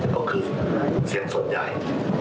ก็คือเสียงส่วนใหญ่